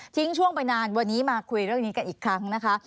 ช่วงไปนานวันนี้มาคุยเรื่องนี้กันอีกครั้งนะคะ